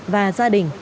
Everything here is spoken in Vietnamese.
và gia đình